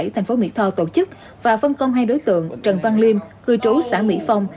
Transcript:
thành phố mỹ tho tổ chức và phân công hai đối tượng trần văn liêm cư trú xã mỹ phong